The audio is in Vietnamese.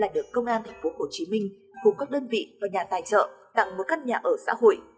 là được công an tp hcm cùng các đơn vị và nhà tài trợ tặng với các nhà ở xã hội